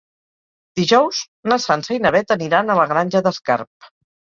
Dijous na Sança i na Beth aniran a la Granja d'Escarp.